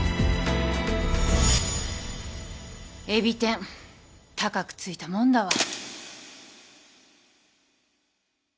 海老天高くついたもんだわ。